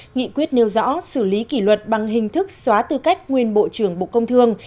nghị quyết nêu rõ xử lý kỷ luật bằng hình thức xóa tư cách nguyên bộ trưởng bộ công thương